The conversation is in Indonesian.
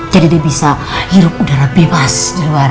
jadi dia bisa hidup udara bebas di luar